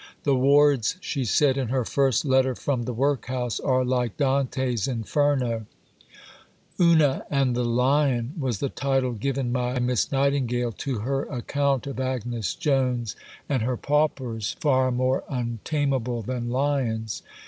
The wards, she said in her first letter from the workhouse, are "like Dante's Inferno." "Una and the Lion" was the title given by Miss Nightingale to her account of Agnes Jones and her paupers, "far more untamable than lions."